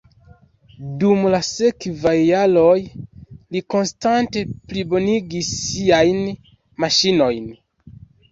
Dum la sekvaj jaroj li konstante plibonigis siajn maŝinojn.